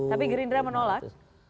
tapi gerindra menolak